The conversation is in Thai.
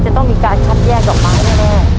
จะต้องมีการคัดแยกดอกไม้แน่